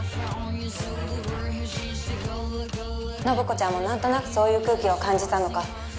信子ちゃんもなんとなくそういう空気を感じたのか